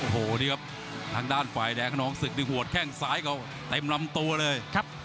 โหทางด้านฝ่ายแดงขนองศึกหัวแข้งซ้ายเขาเต็มลำตัวเลย